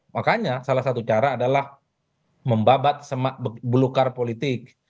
makanya salah satu cara adalah membabat belukar politik